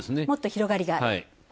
もっと広がりが。